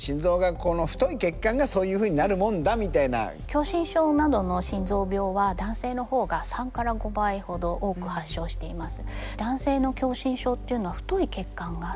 狭心症などの心臓病は男性の方が３から５倍ほど多く発症しています。